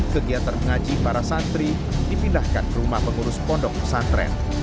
kegiatan mengaji para santri dipindahkan ke rumah pengurus pondok pesantren